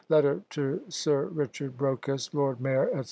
Letter to Sir Ric. Brocas, Lord Mayor, &c.